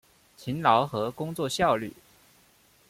勤劳和工作效率